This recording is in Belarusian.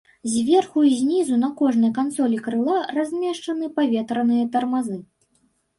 Зверху і знізу на кожнай кансолі крыла размешчаны паветраныя тармазы.